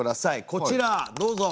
こちらどうぞ！